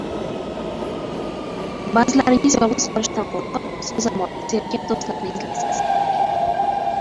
Ba’zilaringiz yolg‘iz qolishdan qo‘rqib, so‘zamol, sergap do‘stlarni izlaysiz.